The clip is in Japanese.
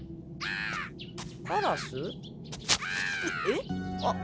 えっ？